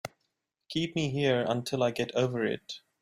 Keep me here until I get over it.